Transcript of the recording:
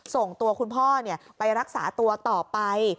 ส่งตัวคุณพ่อไปรักษาตัวต่อไป